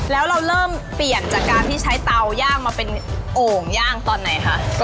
แล้วเราเริ่มเปลี่ยนจากการที่ใช้เตาย่างมาเป็นโอ่งย่างตอนไหนคะ